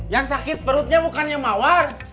yang sakit perutnya bukan yang mawar